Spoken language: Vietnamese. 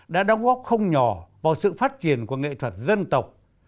đã đóng góp không nhỏ vào sự phát triển của nghệ thuật dân tộc